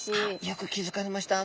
よく気付かれました。